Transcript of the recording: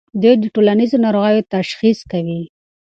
دوی د ټولنیزو ناروغیو تشخیص کوي.